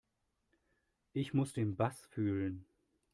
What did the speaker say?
Ich muss den Bass fühlen.